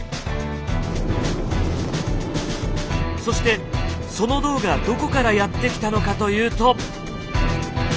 そしてその銅がどこからやって来たのかというと。